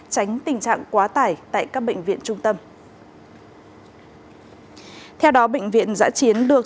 tránh tình trạng quá tải tại các bệnh viện trung tâm